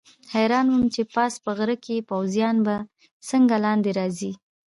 حیران وم چې پاس په غره کې پوځیان به څنګه لاندې راځي.